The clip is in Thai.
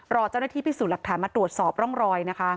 รอเจ้าหน้าที่พิสูจน์หลักฐานมาตรวจสอบร่องรอยนะคะ